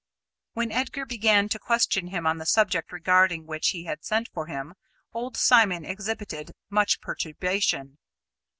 When Edgar began to question him on the subject regarding which he had sent for him, old Simon exhibited much perturbation.